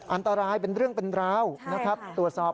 อันตรายเป็นเรื่องเป็นราวตรวจอบให้ดีซะก่อน